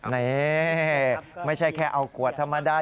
นี่ไม่ใช่แค่เอาขวดธรรมดา